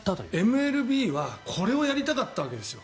ＭＬＢはこれをやりたかったわけですよ。